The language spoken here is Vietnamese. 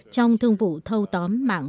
trong thương vụ thâu tóm mạng